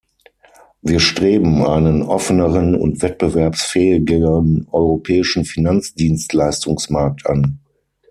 Wir streben einen offeneren und wettbewerbsfähigeren europäischen Finanzdienstleistungsmarkt an.